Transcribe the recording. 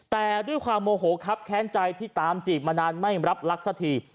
แต่ด้วยความโมโหครับแค้นใจที่ตามจีบมานานไม่รับรักสักที